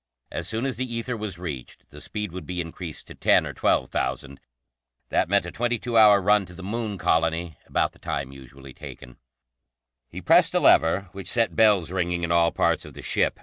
As soon as the ether was reached, the speed would be increased to ten or twelve thousand. That meant a twenty two hour run to the Moon Colony about the time usually taken. He pressed a lever, which set bells ringing in all parts of the ship.